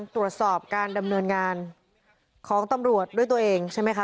ตรวจสอบการดำเนินงานของตำรวจด้วยตัวเองใช่ไหมคะ